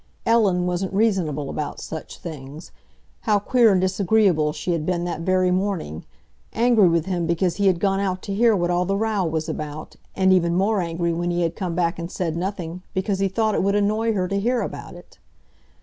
Ellen wasn't reasonable about such things. How queer and disagreeable she had been that very morning—angry with him because he had gone out to hear what all the row was about, and even more angry when he had come back and said nothing, because he thought it would annoy her to hear about it!